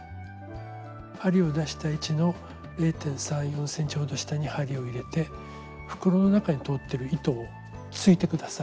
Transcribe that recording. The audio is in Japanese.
針を出した位置の０．３０．４ｃｍほど下に針を入れて袋の中に通ってる糸を突いて下さい。